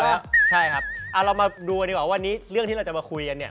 ใช่ครับเรามาดูกันดีกว่าวันนี้เรื่องที่เราจะมาคุยกันเนี่ย